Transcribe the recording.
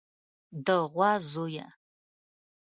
د غوا زويه.